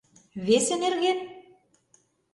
Весе нерген?